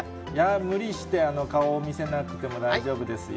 無理して顔を見せなくても大丈夫ですよ。